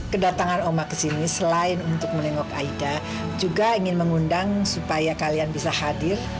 kedatangan oma kesini selain untuk melengok aida juga ingin mengundang supaya kalian bisa hadir